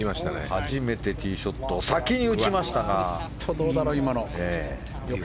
初めてティーショットを先に打ちましたが。